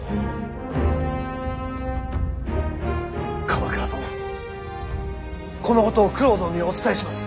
鎌倉殿このことを九郎殿にお伝えします。